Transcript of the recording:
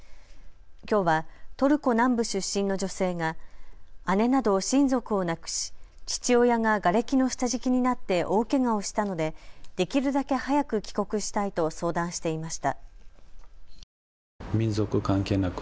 きょうはトルコ南部出身の女性が姉など親族を亡くし父親ががれきの下敷きになって大けがをしたのでできるだけ早く帰国したいと相談していました。